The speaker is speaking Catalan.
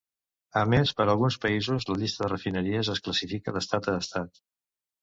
A més, per a alguns països, la llista de refineries es classifica d'estat a estat.